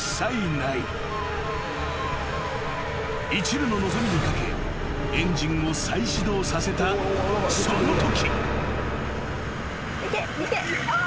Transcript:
［いちるの望みに懸けエンジンを再始動させたそのとき］